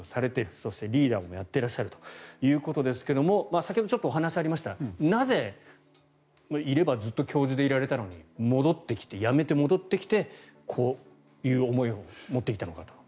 そしてリーダーもやっていらっしゃるということですが先ほどちょっとお話がありましたがなぜ、いればずっと教授でいられたのに辞めて戻ってきてこういう思いを持っていたのかと。